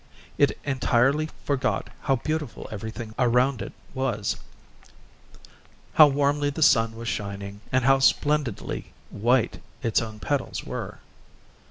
It entirely forgot how beautiful everything around it was, how warmly the sun was shining, and how splendidly white its own petals were.